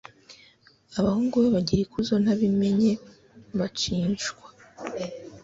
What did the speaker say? abahungu be bagira ikuzo ntabimenye bacishwa